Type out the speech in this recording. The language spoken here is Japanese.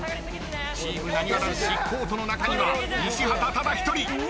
［チームなにわ男子コートの中には西畑ただ１人］